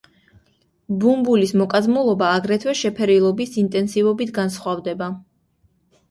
ბუმბულის მოკაზმულობა აგრეთვე შეფერილობის ინტენსივობით განსხვავდება.